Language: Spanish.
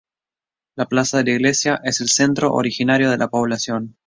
La plaza de la iglesia es el centro originario de la población.